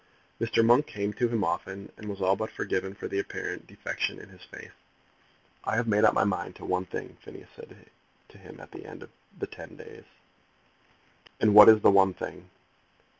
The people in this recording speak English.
Mr. Monk came to him often, and was all but forgiven for the apparent defection in his faith. "I have made up my mind to one thing," Phineas said to him at the end of the ten days. "And what is the one thing?"